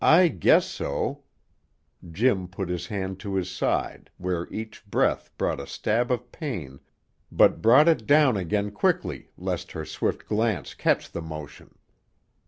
"I guess so." Jim put his hand to his side, where each breath brought a stab of pain, but brought it down again quickly lest her swift glance catch the motion.